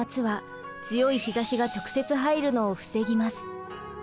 強い日ざしが直接入るのを防ぎます。